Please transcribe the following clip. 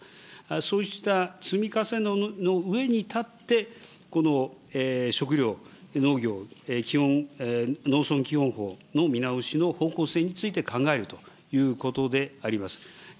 そうした積み重ねの上に立って、この食料農業農村基本法の見直しの方向性について考えるということであります。